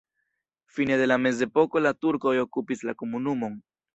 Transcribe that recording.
Fine de la mezepoko la turkoj okupis la komunumon.